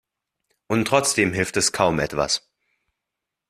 Und trotzdem hilft es kaum etwas.